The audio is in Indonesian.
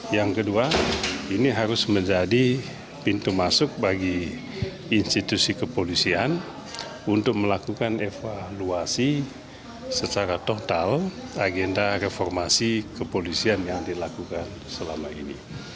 yang kedua ini harus menjadi pintu masuk bagi institusi kepolisian untuk melakukan evaluasi secara total agenda reformasi kepolisian yang dilakukan selama ini